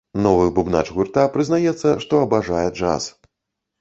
Новы бубнач гурта прызнаецца, што абажае джаз.